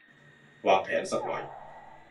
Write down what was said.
วางแผนสักหน่อย